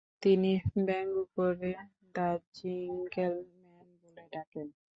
তিনি ব্যঙ্গ করে দ্যা জিঙ্গেল ম্যান বলে ডাকেন।